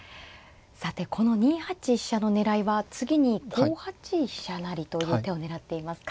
さてこの２八飛車の狙いは次に５八飛車成という手を狙っていますか。